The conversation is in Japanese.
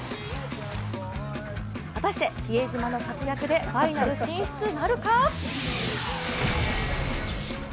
果たして、比江島の活躍でファイナル進出なるか。